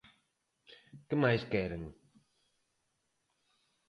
Que máis queren?